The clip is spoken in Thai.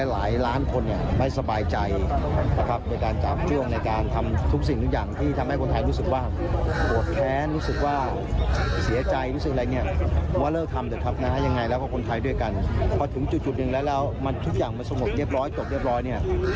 แล้วทุกอย่างมันสมบบเรียบร้อยจบเรียบร้อยเนี่ย